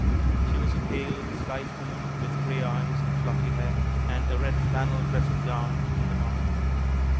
She was a pale, slight woman, with grey eyes and fluffy hair, and a red flannel dressing grown in the morning.